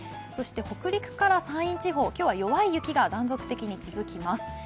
そして北陸から山陰地方、今日は弱い雪が断続的に続きます。